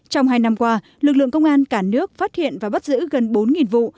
trong hai năm qua lực lượng công an cả nước phát hiện và bắt giữ gần bốn vụ